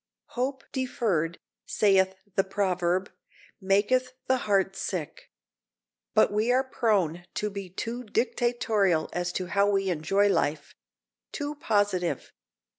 "Hope deferred," saith the proverb, "maketh the heart sick." But we are prone to be too dictatorial as to how we enjoy life; too positive.